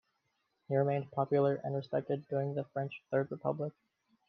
He remained popular and respected during the French Third Republic.